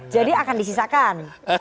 jadi akan disisakan